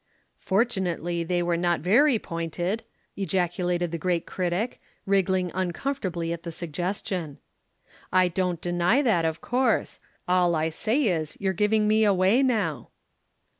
"Fortunately they were not very pointed," ejaculated the great critic, wriggling uncomfortably at the suggestion. "I don't deny that, of course. All I say is, you're giving me away now."